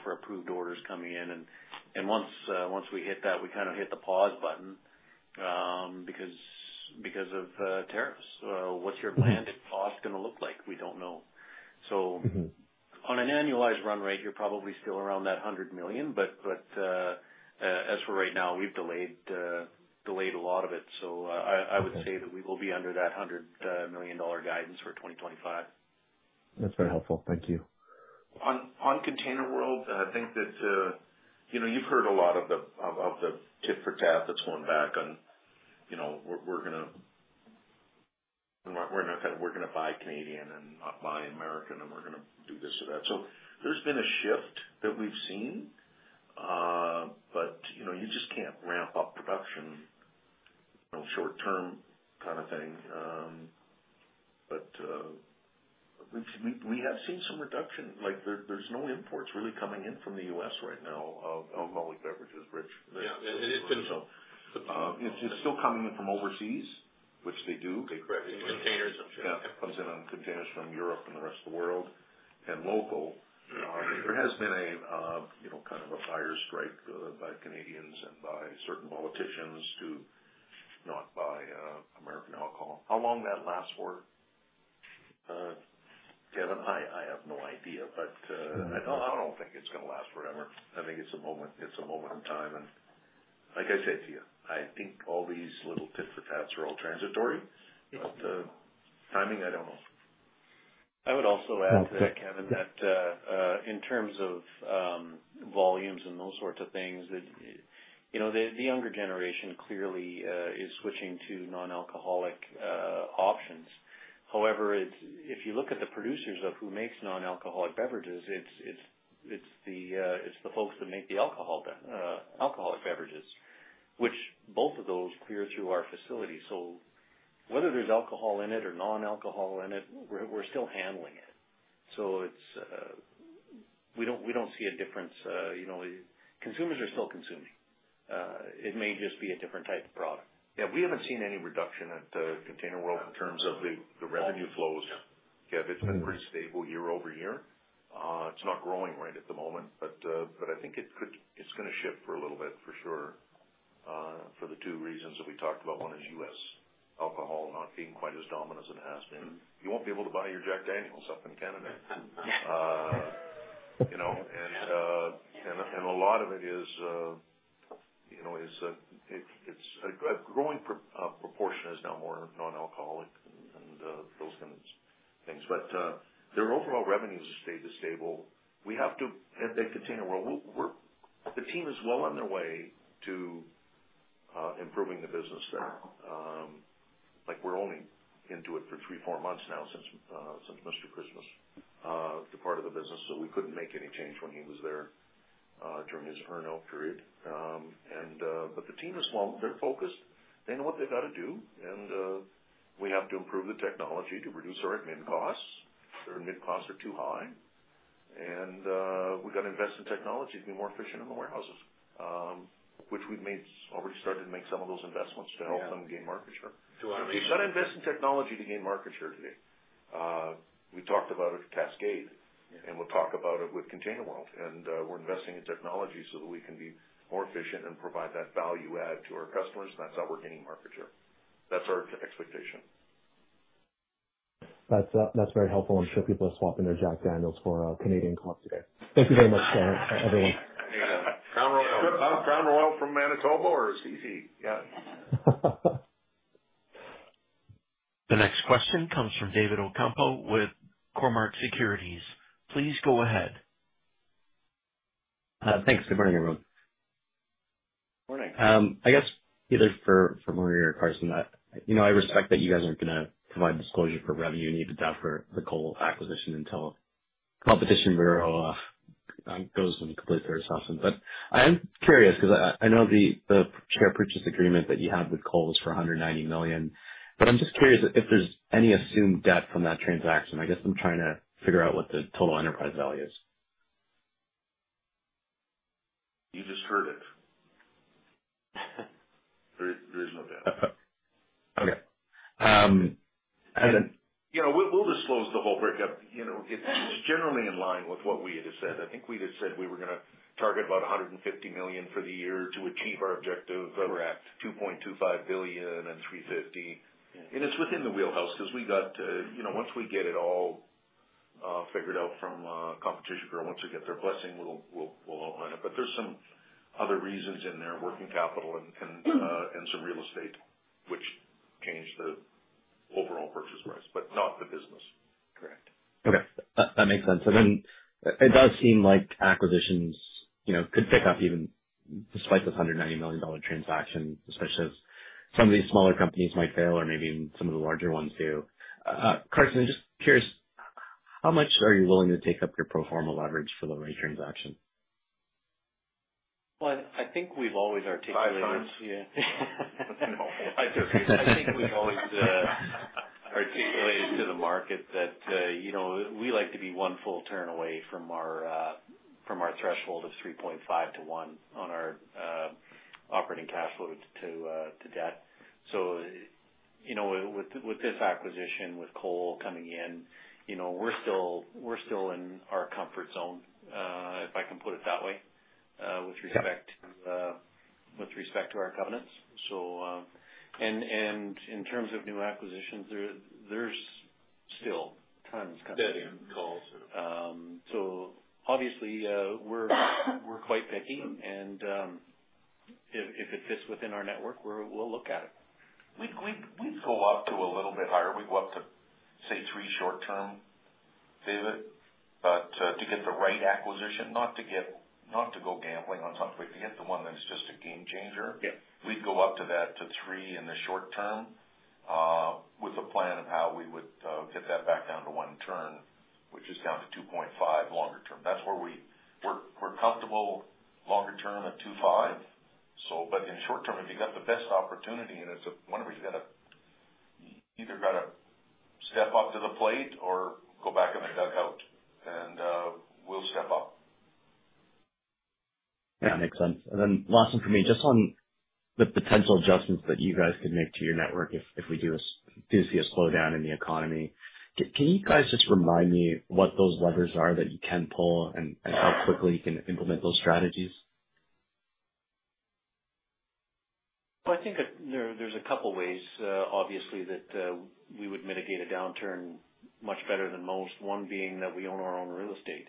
for approved orders coming in. Once we hit that, we kind of hit the pause button because of tariffs. What's your planned cost going to look like? We don't know. On an annualized run rate, you're probably still around that 100 million. As for right now, we've delayed a lot of it. I would say that we will be under that 100 million dollar guidance for 2025. That's very helpful. Thank you. On Container World, I think that you've heard a lot of the tit for tat that's going back on, "We're going to buy Canadian and not buy American, and we're going to do this or that." There has been a shift that we've seen, but you just can't ramp up production short-term kind of thing. We have seen some reduction. There are no imports really coming in from the U.S. right now of Molson beverages, Rich. Yeah. It's still coming in from overseas, which they do. Correct. Comes in on containers from Europe and the rest of the world and local. There has been kind of a buyer's strike by Canadians and by certain politicians to not buy American alcohol. How long that lasts for, Kevin? I have no idea, but I do not think it is going to last forever. I think it is a moment in time. Like I said to you, I think all these little tit for tats are all transitory, but timing, I do not know. I would also add to that, Kevin, that in terms of volumes and those sorts of things, the younger generation clearly is switching to non-alcoholic options. However, if you look at the producers of who makes non-alcoholic beverages, it's the folks that make the alcoholic beverages, which both of those clear through our facility. Whether there's alcohol in it or non-alcohol in it, we're still handling it. We don't see a difference. Consumers are still consuming. It may just be a different type of product. Yeah. We have not seen any reduction at Container World in terms of the revenue flows. Kev, it has been pretty stable year over year. It is not growing right at the moment, but I think it is going to shift for a little bit for sure for the two reasons that we talked about. One is US alcohol not being quite as dominant as it has been. You will not be able to buy your Jack Daniels up in Canada. A lot of it is a growing proportion is now more non-alcoholic and those kind of things. Their overall revenues have stayed stable. We have to, at Container World, the team is well on their way to improving the business there. We are only into it for three, four months now since Mr. Christmas took part of the business, so we could not make any change when he was there during his earn-out period. The team is well. They are focused. They know what they have got to do. We have to improve the technology to reduce our admin costs. Our admin costs are too high. We have got to invest in technology to be more efficient in the warehouses, which we have already started to make some of those investments to help them gain market share. We have got to invest in technology to gain market share today. We talked about it at Cascade, and we will talk about it with Container World. We are investing in technology so that we can be more efficient and provide that value add to our customers, and that is how we are gaining market share. That is our expectation. That's very helpful. I'm sure people are swapping their Jack Daniels for a Canadian Club today. Thank you very much, everyone. Crown Royal from Manitoba or CC? Yeah. The next question comes from David Ocampo with Cormark Securities. Please go ahead. Thanks. Good morning, everyone. Morning. I guess either for Murray or Carson, I respect that you guys aren't going to provide disclosure for revenue needed for the Cole acquisition until Competition Bureau goes and completes their assessment. I'm curious because I know the share purchase agreement that you have with Cole is for 190 million. I'm just curious if there's any assumed debt from that transaction. I guess I'm trying to figure out what the total enterprise value is. You just heard it. There is no debt. Okay. We'll disclose the whole breakup. It's generally in line with what we had said. I think we had said we were going to target about 150 million for the year to achieve our objective of 2.25 billion and 350 million. It's within the wheelhouse because once we get it all figured out from Competition Bureau, once we get their blessing, we'll own it. There are some other reasons in there, working capital and some real estate, which changed the overall purchase price, but not the business. Correct. Okay. That makes sense. It does seem like acquisitions could pick up even despite this 190 million dollar transaction, especially as some of these smaller companies might fail or maybe even some of the larger ones do. Carson, I'm just curious, how much are you willing to take up your pro forma leverage for the right transaction? I think we've always articulated. By the times. Yeah. No. I think we've always articulated to the market that we like to be one full turn away from our threshold of 3.5 to 1 on our operating cash flow to debt. With this acquisition, with Cole coming in, we're still in our comfort zone, if I can put it that way, with respect to our covenants. In terms of new acquisitions, there's still tons coming in. Obviously, we're quite picky, and if it fits within our network, we'll look at it. We'd go up to a little bit higher. We'd go up to, say, three short-term, David, to get the right acquisition, not to go gambling on something, but to get the one that's just a game changer. We'd go up to that to three in the short-term with a plan of how we would get that back down to one turn, which is down to 2.5 longer-term. That is where we're comfortable longer-term at 2.5. In short-term, if you've got the best opportunity and it's a one where you've got to either step up to the plate or go back in the dugout, and we'll step up. Yeah. That makes sense. Last one for me, just on the potential adjustments that you guys could make to your network if we do see a slowdown in the economy, can you guys just remind me what those levers are that you can pull and how quickly you can implement those strategies? I think there's a couple of ways, obviously, that we would mitigate a downturn much better than most, one being that we own our own real estate.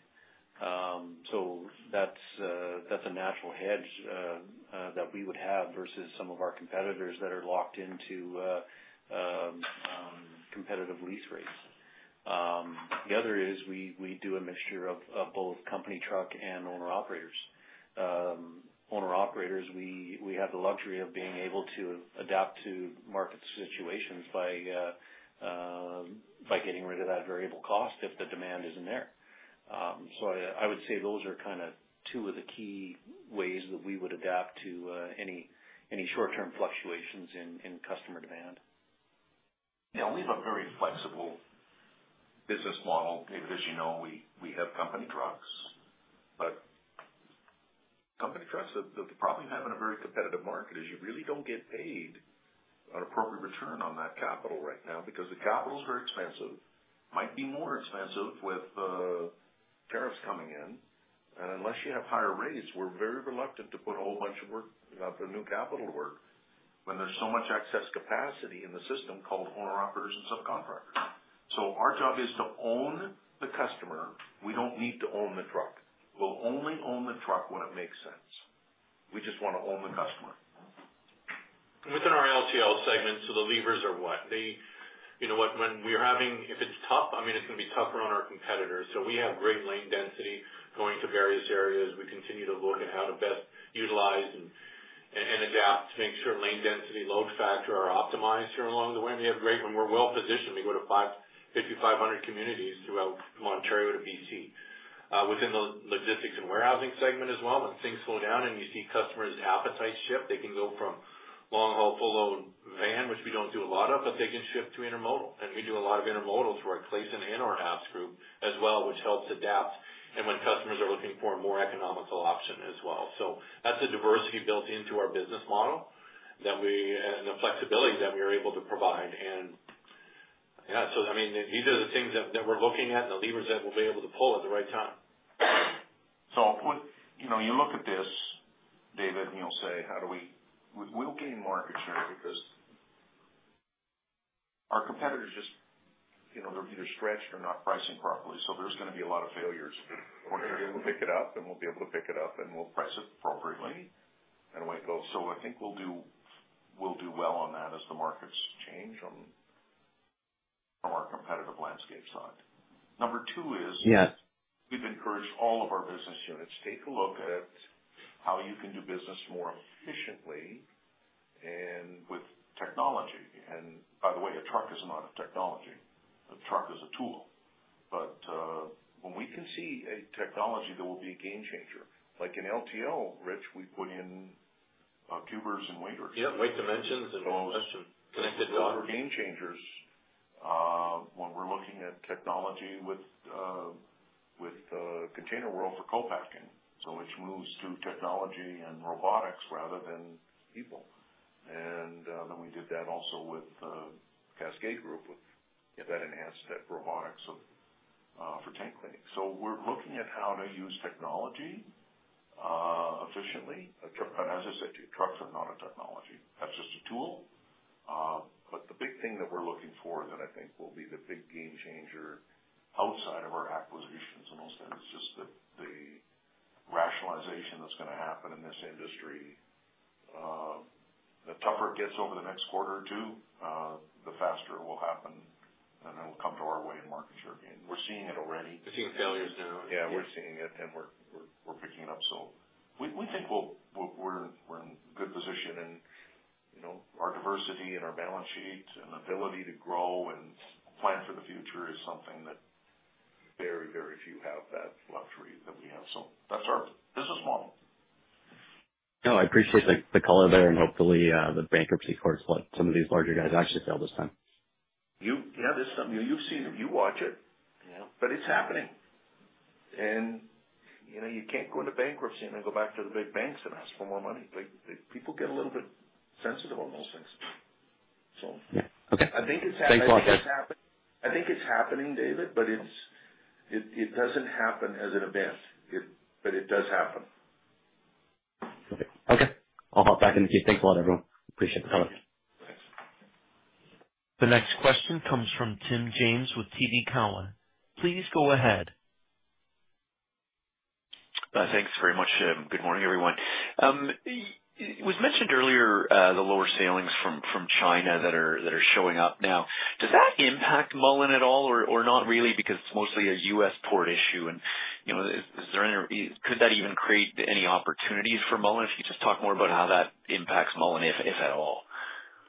That's a natural hedge that we would have versus some of our competitors that are locked into competitive lease rates. The other is we do a mixture of both company truck and owner-operators. Owner-operators, we have the luxury of being able to adapt to market situations by getting rid of that variable cost if the demand isn't there. I would say those are kind of two of the key ways that we would adapt to any short-term fluctuations in customer demand. Yeah. We have a very flexible business model. David, as you know, we have company trucks. Company trucks, the problem you have in a very competitive market is you really do not get paid an appropriate return on that capital right now because the capital is very expensive, might be more expensive with tariffs coming in. Unless you have higher rates, we are very reluctant to put a whole bunch of new capital to work when there is so much excess capacity in the system called owner-operators and subcontractors. Our job is to own the customer. We do not need to own the truck. We will only own the truck when it makes sense. We just want to own the customer. Within our LTL segment, the levers are what? You know what? If it's tough, I mean, it's going to be tougher on our competitors. We have great lane density going to various areas. We continue to look at how to best utilize and adapt to make sure lane density, load factor are optimized here along the way. We are well positioned; we go to 5,500 communities throughout Manitoba or BC. Within the logistics and warehousing segment as well, when things slow down and you see customers' appetite shift, they can go from long-haul full-load van, which we don't do a lot of, but they can shift to intermodal. We do a lot of intermodal through our Kleysen and our APPS group as well, which helps adapt when customers are looking for a more economical option as well. That's the diversity built into our business model and the flexibility that we are able to provide. And yeah, I mean, these are the things that we're looking at and the levers that we'll be able to pull at the right time. You look at this, David, and you'll say, "How do we?" We'll gain market share because our competitors just, they're either stretched or not pricing properly. There's going to be a lot of failures. We'll pick it up, and we'll be able to pick it up, and we'll price it appropriately and away it goes. I think we'll do well on that as the markets change from our competitive landscape side. Number two is we've encouraged all of our business units to take a look at how you can do business more efficiently and with technology. By the way, a truck is not a technology. A truck is a tool. When we can see a technology that will be a game changer, like in LTL, Rich, we put in cubers and weighters. Yeah. Weight, dimensions, and connected dots. Those are game changers when we're looking at technology with Container World for co-packing. It moves to technology and robotics rather than people. We did that also with Cascade Energy Services LP with that enhanced robotics for tank cleaning. We're looking at how to use technology efficiently. As I said, trucks are not a technology. That's just a tool. The big thing that we're looking for that I think will be the big game changer outside of our acquisitions and those things is just the rationalization that's going to happen in this industry. The tougher it gets over the next quarter or two, the faster it will happen, and it will come to our way and market share again. We're seeing it already. We're seeing failures now. Yeah. We're seeing it, and we're picking it up. We think we're in a good position. Our diversity and our balance sheet and ability to grow and plan for the future is something that very, very few have that luxury that we have. That's our business model. No. I appreciate the color there, and hopefully, the bankruptcy courts let some of these larger guys actually fail this time. Yeah. You've seen it. You watch it, but it's happening. You can't go into bankruptcy and then go back to the big banks and ask for more money. People get a little bit sensitive on those things. I think it's happening. Stay focused. I think it's happening, David, but it doesn't happen as an event, but it does happen. Okay. I'll hop back in and say thanks a lot, everyone. Appreciate the comments. Thanks. The next question comes from Tim James with TD Cowen. Please go ahead. Thanks very much. Good morning, everyone. It was mentioned earlier, the lower sailings from China that are showing up now. Does that impact Mullen at all or not really because it is mostly a US port issue? Could that even create any opportunities for Mullen? If you could just talk more about how that impacts Mullen, if at all.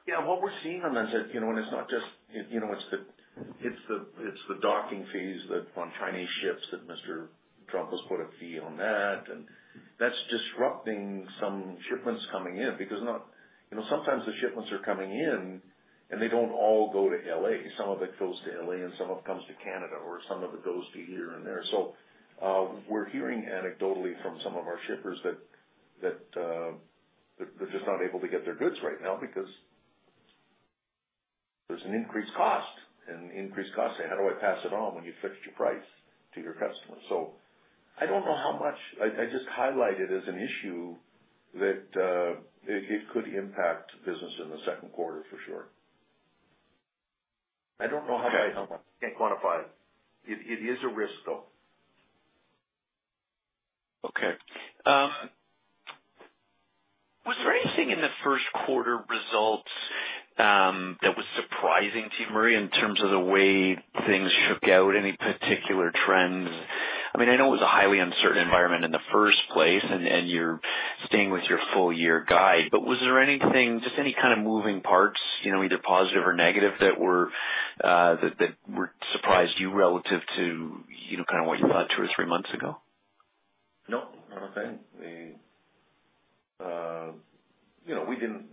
Yeah. What we're seeing on that is that when it's not just it's the docking phase on Chinese ships that Mr. Trump has put a fee on that. That's disrupting some shipments coming in because sometimes the shipments are coming in, and they don't all go to LA. Some of it goes to LA, and some of it comes to Canada, or some of it goes to here and there. We're hearing anecdotally from some of our shippers that they're just not able to get their goods right now because there's an increased cost. Increased cost, how do I pass it on when you fixed your price to your customer? I don't know how much. I just highlight it as an issue that it could impact business in the second quarter for sure. I don't know how much. Can't quantify it. It is a risk, though. Okay. Was there anything in the first quarter results that was surprising to you, Murray, in terms of the way things shook out, any particular trends? I mean, I know it was a highly uncertain environment in the first place, and you're staying with your full-year guide. Was there anything, just any kind of moving parts, either positive or negative, that surprised you relative to kind of what you thought two or three months ago? No. Not a thing.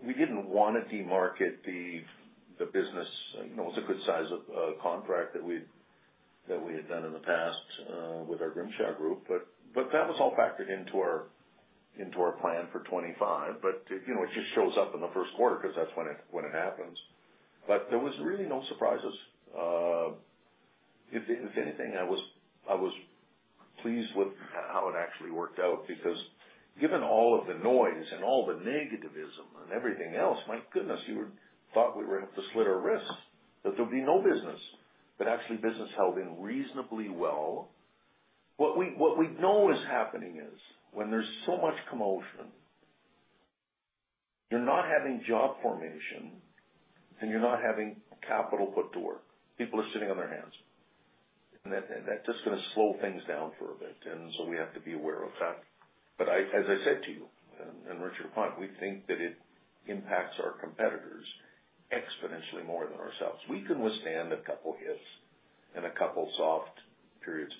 We did not want to demarket the business. It was a good size of contract that we had done in the past with our Grimshaw Trucking group. That was all factored into our plan for 2025. It just shows up in the first quarter because that is when it happens. There were really no surprises. If anything, I was pleased with how it actually worked out because given all of the noise and all the negativism and everything else, my goodness, you would have thought we were up to slit our wrists that there would be no business. Actually, business held in reasonably well. What we know is happening is when there is so much commotion, you are not having job formation, and you are not having capital put to work. People are sitting on their hands. That is just going to slow things down for a bit. We have to be aware of that. As I said to you and Richard Maloney, we think that it impacts our competitors exponentially more than ourselves. We can withstand a couple of hits and a couple of soft periods.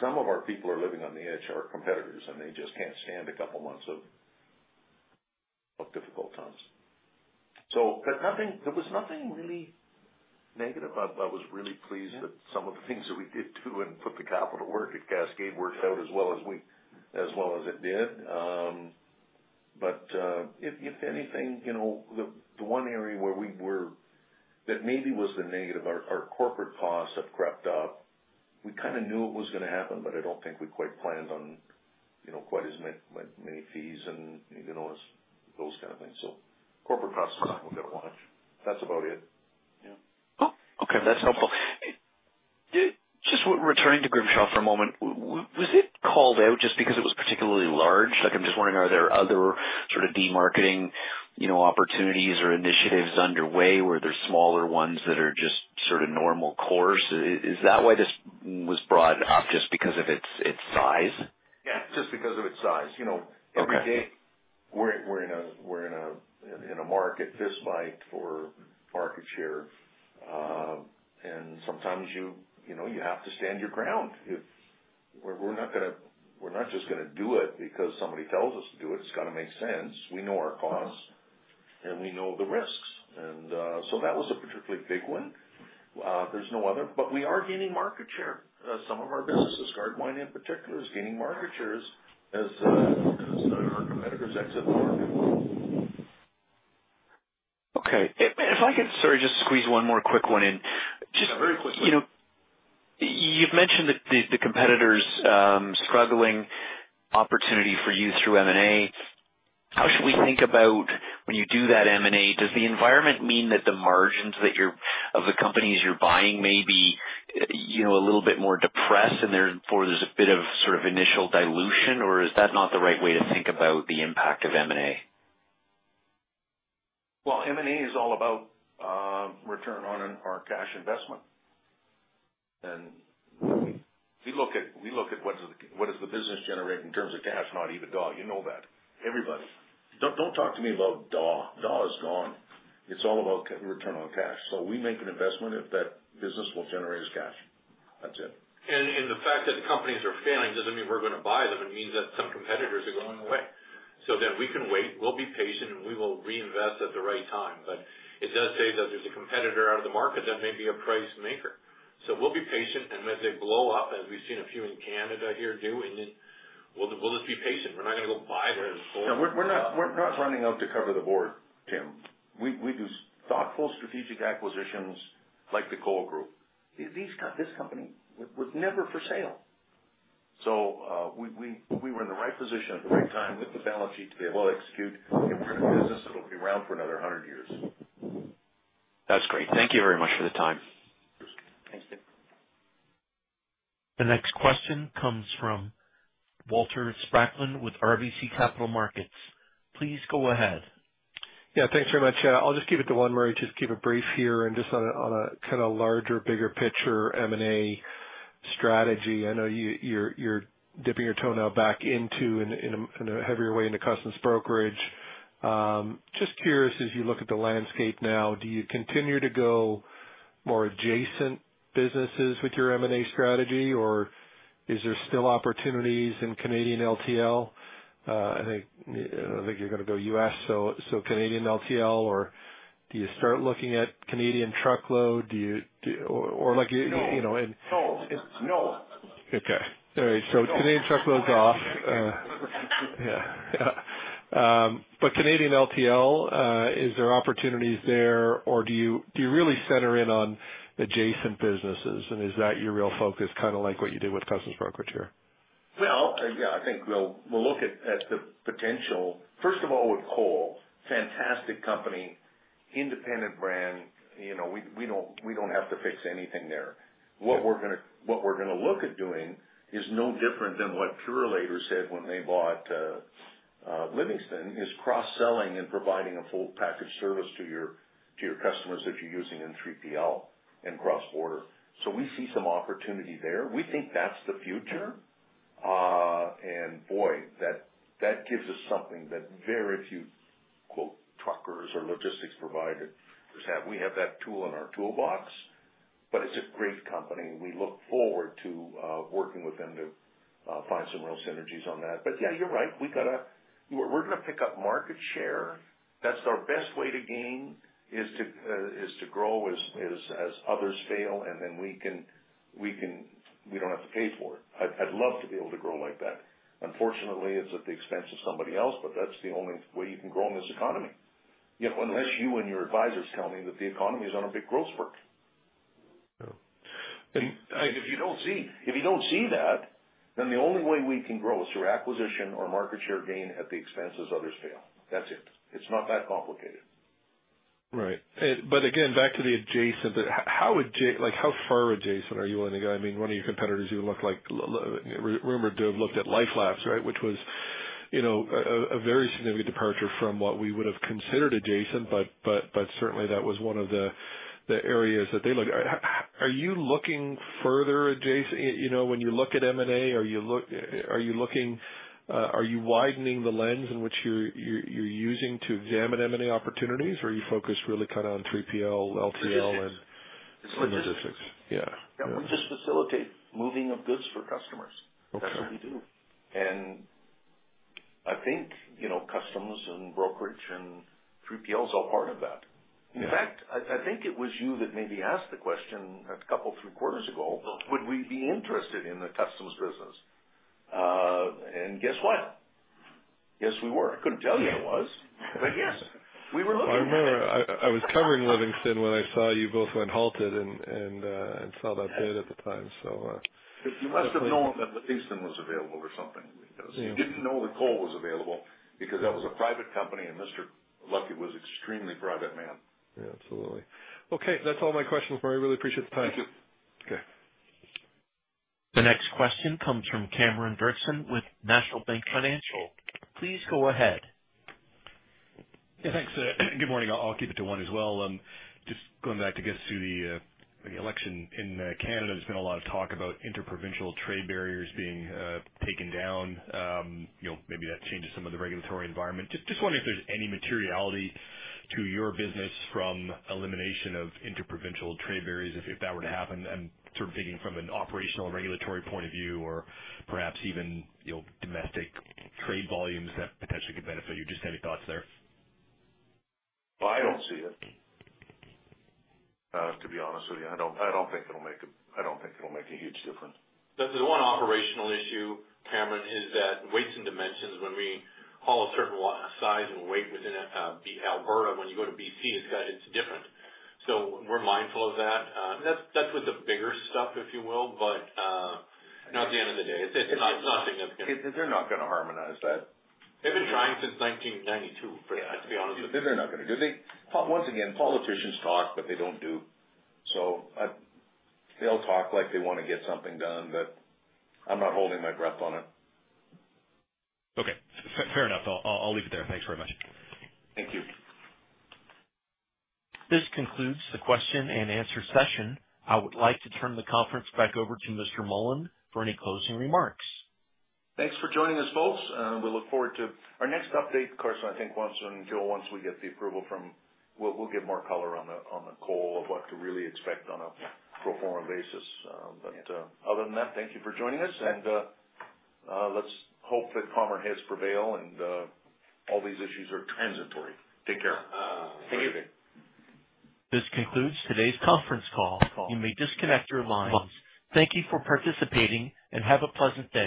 Some of our people are living on the edge of our competitors, and they just can't stand a couple of months of difficult times. There was nothing really negative. I was really pleased that some of the things that we did do and put the capital to work at Cascade Energy Services LP worked out as well as it did. If anything, the one area where we were that maybe was the negative, our corporate costs have crept up. We kind of knew it was going to happen, but I don't think we quite planned on quite as many fees and those kind of things. Corporate costs are something we've got to watch. That's about it. Yeah. Oh, okay. That's helpful. Just returning to Grimshaw for a moment, was it called out just because it was particularly large? I'm just wondering, are there other sort of demarketing opportunities or initiatives underway where there are smaller ones that are just sort of normal course? Is that why this was brought up just because of its size? Yeah. Just because of its size. Every day, we're in a market fistfight for market share. Sometimes you have to stand your ground. We're not just going to do it because somebody tells us to do it. It's got to make sense. We know our costs, and we know the risks. That was a particularly big one. There's no other. We are gaining market share. Some of our businesses, Gardewine in particular, is gaining market share as our competitors exit the market. Okay. If I could, sorry, just squeeze one more quick one in. Yeah. Very quickly. You've mentioned the competitors' struggling opportunity for you through M&A. How should we think about when you do that M&A? Does the environment mean that the margins of the companies you're buying may be a little bit more depressed and therefore there's a bit of sort of initial dilution, or is that not the right way to think about the impact of M&A? M&A is all about return on our cash investment. We look at what does the business generate in terms of cash, not even EBITDA. You know that. Everybody. Do not talk to me about EBITDA. EBITDA is gone. It is all about return on cash. We make an investment if that business will generate us cash. That is it. The fact that companies are failing does not mean we are going to buy them. It means that some competitors are going away. We can wait. We will be patient, and we will reinvest at the right time. It does say that there is a competitor out of the market that may be a price maker. We will be patient, and as they blow up, as we have seen a few in Canada here do, we will just be patient. We are not going to go buy theirs. Yeah. We're not running out to cover the board, Tim. We do thoughtful strategic acquisitions like the Cole Group. This company was never for sale. We were in the right position at the right time with the balance sheet to be able to execute. If we're in a business, it'll be around for another 100 years. That's great. Thank you very much for the time. Thanks, Tim. The next question comes from Walter Spracklin with RBC Capital Markets. Please go ahead. Yeah. Thanks very much. I'll just keep it to one, Murray. Just keep it brief here and just on a kind of larger, bigger picture M&A strategy. I know you're dipping your toenail back into in a heavier way into customs brokerage. Just curious, as you look at the landscape now, do you continue to go more adjacent businesses with your M&A strategy, or is there still opportunities in Canadian LTL? I think you're going to go US, so Canadian LTL, or do you start looking at Canadian Truckload, or? No. No. All right. Canadian Truckload's off. Yeah. Canadian LTL, is there opportunities there, or do you really center in on adjacent businesses, and is that your real focus, kind of like what you did with customs brokerage here? Yeah. I think we'll look at the potential. First of all, with Cole, fantastic company, independent brand. We don't have to fix anything there. What we're going to look at doing is no different than what Purolator said when they bought Livingston, is cross-selling and providing a full package service to your customers that you're using in 3PL and cross-border. We see some opportunity there. We think that's the future. That gives us something that very few truckers or logistics providers have. We have that tool in our toolbox, but it's a great company. We look forward to working with them to find some real synergies on that. Yeah, you're right. We're going to pick up market share. That's our best way to gain, is to grow as others fail, and then we don't have to pay for it. I'd love to be able to grow like that. Unfortunately, it's at the expense of somebody else, but that's the only way you can grow in this economy, unless you and your advisors tell me that the economy is on a big growth spurt. If you do not see that, then the only way we can grow is through acquisition or market share gain at the expense as others fail. That is it. It is not that complicated. Right. Again, back to the adjacent, how far adjacent are you willing to go? I mean, one of your competitors you looked like rumored to have looked at LifeLabs, right, which was a very significant departure from what we would have considered adjacent, but certainly that was one of the areas that they looked. Are you looking further adjacent? When you look at M&A, are you looking, are you widening the lens in which you are using to examine M&A opportunities, or are you focused really kind of on 3PL, LTL, and logistics? It's logistics. Yeah. We just facilitate moving of goods for customers. That's what we do. I think customs and brokerage and 3PL is all part of that. In fact, I think it was you that maybe asked the question a couple of three quarters ago, would we be interested in the customs business? Guess what? Yes, we were. I couldn't tell you I was, but yes. We were looking. I was covering Livingston when I saw you both went halted and saw that bid at the time. You must have known that Livingston was available or something. You didn't know the Cole Group was available because that was a private company, and Don Lucky was an extremely private man. Yeah. Absolutely. Okay. That's all my questions for me. I really appreciate the time. Thank you. Okay. The next question comes from Cameron Doerksen with National Bank Financial. Please go ahead. Yeah. Thanks. Good morning. I'll keep it to one as well. Just going back to get through the election in Canada, there's been a lot of talk about interprovincial trade barriers being taken down. Maybe that changes some of the regulatory environment. Just wondering if there's any materiality to your business from elimination of interprovincial trade barriers if that were to happen. I'm sort of thinking from an operational regulatory point of view or perhaps even domestic trade volumes that potentially could benefit you. Just any thoughts there? I don't see it, to be honest with you. I don't think it'll make a, I don't think it'll make a huge difference. The one operational issue, Cameron, is that weights and dimensions, when we haul a certain size and weight within Alberta, when you go to BC, it's different. We are mindful of that. That's with the bigger stuff, if you will, but not at the end of the day. It's not significant. They're not going to harmonize that. They've been trying since 1992, to be honest with you. They're not going to do it. Once again, politicians talk, but they don't do. They'll talk like they want to get something done, but I'm not holding my breath on it. Okay. Fair enough. I'll leave it there. Thanks very much. Thank you. This concludes the question and answer session. I would like to turn the conference back over to Mr. Mullen for any closing remarks. Thanks for joining us, folks. We look forward to our next update. Of course, I think once we get the approval from, we'll give more color on the Cole Group of what to really expect on a pro forma basis. Other than that, thank you for joining us, and let's hope that commerce has prevailed and all these issues are transitory. Take care. Thank you. This concludes today's conference call. You may disconnect your lines. Thank you for participating, and have a pleasant day.